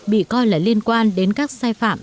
bị coi là liên quan đến các sai phạm